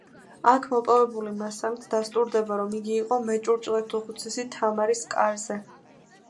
აქ მოპოვებული მასალით დასტურდება, რომ იგი იყო მეჭურჭლეთუხუცესი თამარის კარზე.